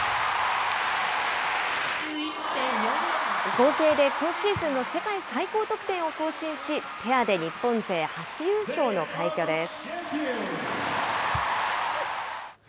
合計で今シーズンの世界最高得点を更新し、ペアで日本勢初優勝の快挙です。